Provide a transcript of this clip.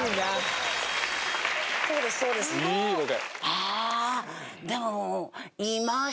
あでも。